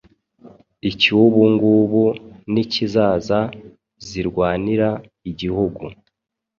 icy’ubungubu n’ikizaza zirwanira igihugu.